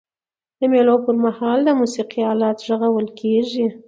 د مېلو پر مهال د موسیقۍ آلات ږغول کيږي.